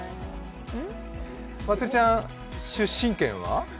まつりちゃん、出身県は？